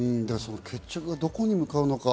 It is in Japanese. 決着がどこに向かうのか。